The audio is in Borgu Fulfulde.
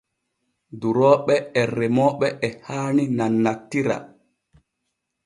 Durooɓe e remooɓe e haani nannantira.